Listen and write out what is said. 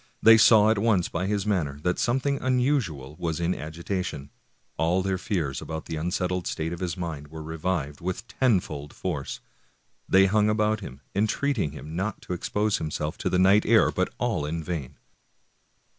They saw at once by his manner that some thing unusual was in agitation; all their fears about the unsettled state of his mind were revived with tenfold force; they hung about him, entreating him not to expose himself to the night air, but all in vain.